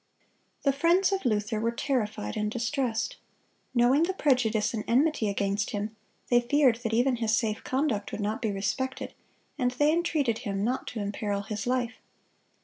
The friends of Luther were terrified and distressed. Knowing the prejudice and enmity against him, they feared that even his safe conduct would not be respected, and they entreated him not to imperil his life.